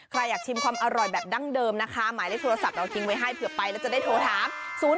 ใครอยากชิมความอร่อยแบบดั้งเดิมนะคะหมายเลขโทรศัพท์เราทิ้งไว้ให้เผื่อไปแล้วจะได้โทรถาม